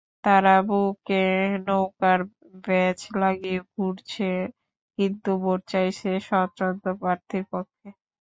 তাঁরা বুকে নৌকার ব্যাজ লাগিয়ে ঘুরছেন, কিন্তু ভোট চাইছেন স্বতন্ত্র প্রার্থীর পক্ষে।